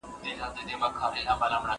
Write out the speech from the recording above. ما د زمانې د خُم له رنګه څخه وساته